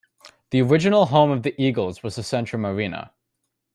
The original home of the Eagles was the Centrum Arena.